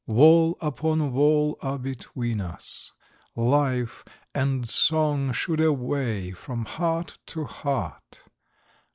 Wall upon wall are between us: life And song should away from heart to heart!